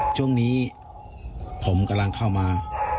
ช่วงนี้ผมกำลังเข้ามา